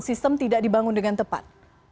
sistem tidak dibangun dengan tepat